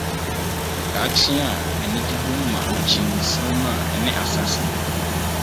Daakye a Anigye Wom Ma Okyinnsoromma a Ɛne Asase No